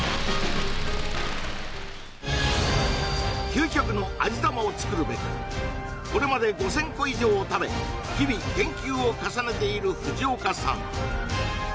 究極の味玉を作るべくこれまで５０００個以上を食べ日々研究を重ねている藤岡さん